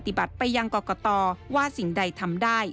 ปฏิบัติไปยังก่อก่อต่อว่าสิ่งใดทำได้